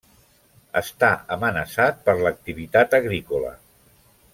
Està amenaçat per l'activitat agrícola.